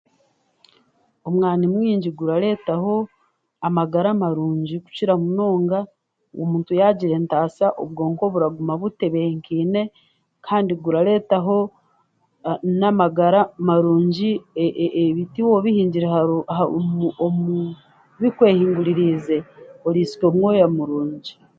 Omwani mwingi gurareetaho amagara marungi kukira munonga omuntu yaagira entaasa, obwonko buraguma butebenkeine, kandi gurareetaho n'amagara marungi, ebiti waaba obihingire aha, omu, bikwehinguririize, oriisya omwoya murungi.